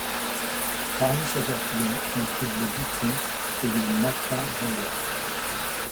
Parmi ses affluents on trouve le Dipton et le Makarewa.